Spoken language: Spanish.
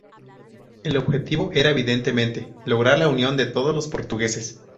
El objetivo era evidentemente lograr la unión de todos los portugueses.